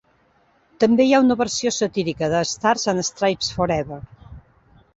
També hi ha una versió satírica de Stars and Stripes Forever.